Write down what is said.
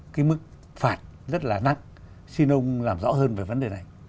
cái mức phạt rất là nặng xin ông làm rõ hơn về vấn đề này